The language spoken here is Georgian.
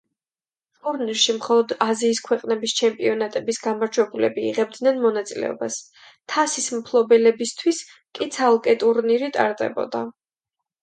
ტურნირში მხოლოდ აზიის ქვეყნების ჩემპიონატების გამარჯვებულები იღებდნენ მონაწილეობას, თასის მფლობელებისთვის კი ცალკე ტურნირი ტარდებოდა.